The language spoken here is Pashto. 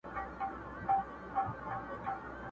o چي لو ډبره اخلي، هغه جنگ نکوي!